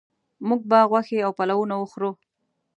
موږ به غوښې او پلونه وخورو